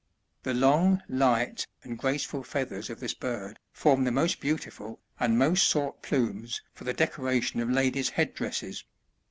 The long, light, and graceful feathers of this bird form the most beautiful, and most sought plumes for the decoration of ladies* head dresses.